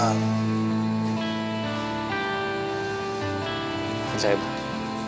terima kasih mbah